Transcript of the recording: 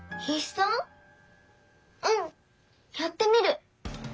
うんやってみる。